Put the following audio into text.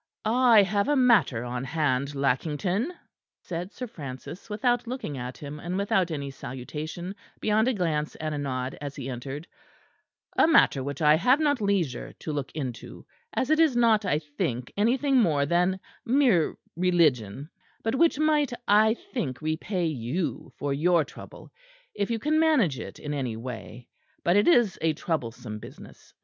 "I have a matter on hand, Lackington," said Sir Francis, without looking at him, and without any salutation beyond a glance and a nod as he entered, "a matter which I have not leisure to look into, as it is not, I think, anything more than mere religion; but which might, I think, repay you for your trouble, if you can manage it in any way. But it is a troublesome business.